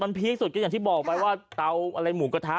พีคสุดก็อย่างที่บอกไปว่าเตาอะไรหมูกระทะ